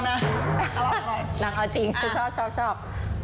นางเอาจริงชอบ